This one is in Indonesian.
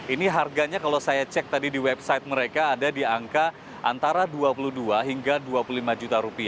ini harganya kalau saya cek tadi di website mereka ada di angka antara rp dua puluh dua hingga rp dua puluh lima juta